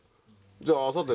じゃああさって